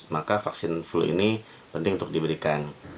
maka vaksin flu ini penting untuk diberikan